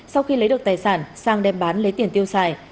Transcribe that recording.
sau khi lấy được tài sản sang đem bán lấy tiền tiêu xài